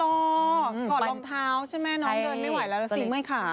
ถอดรองเท้าใช่ไหมน้องเดินไม่ไหวแล้วนะสิเมื่อยขา